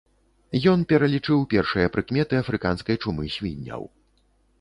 Ён пералічыў першыя прыкметы афрыканскай чумы свінняў.